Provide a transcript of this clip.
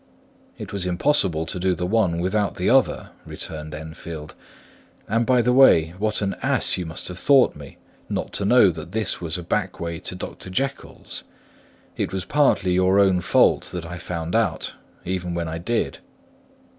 "It was impossible to do the one without the other," returned Enfield. "And by the way, what an ass you must have thought me, not to know that this was a back way to Dr. Jekyll's! It was partly your own fault that I found it out, even when I did."